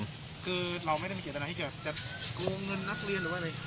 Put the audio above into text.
คือเราไม่ได้มีเจตนาที่จะโกงเงินนักเรียนหรือว่าอะไร